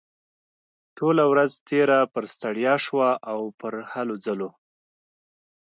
ټوله ورځ تېره پر ستړيا شوه او پر هلو ځلو.